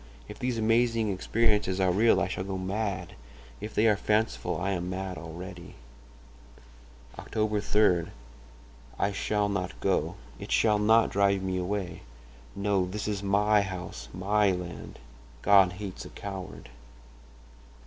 If these amazing experiences are real I shall go mad; if they are fanciful I am mad already. "Oct. 3.—I shall not go—it shall not drive me away. No, this is my house, my land. God hates a coward